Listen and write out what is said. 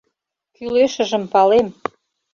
— Кӱлешыжым палем...